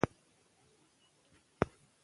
ازادي راډیو د سوداګري پرمختګ سنجولی.